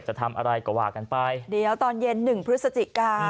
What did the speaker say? จะทำอะไรก็ว่ากันไปเดี๋ยวตอนเย็นหนึ่งพฤศจิกา